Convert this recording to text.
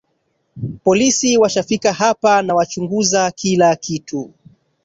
Polisi washafika hapa na wachunguza kila kitu